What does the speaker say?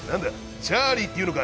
チャーリーって言うのか？